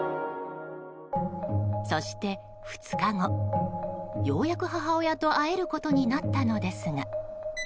そして２日後、ようやく母親と会えることになったのですが。